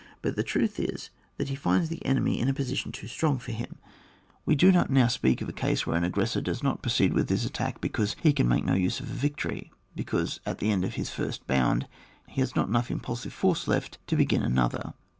But the truth is, that he finds the enemy in a position too strong for him. We do not now speak of a case where an aggressor does not proceed with his attack because he can make no use of a victory, because at the end of his first bound he has not enough impulsive force left to begin an other.